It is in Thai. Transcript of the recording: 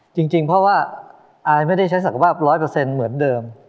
จริงเพราะว่าอายไม่ได้ใช้สังความร้อยเปอร์เซ็นต์เหมือนเดิม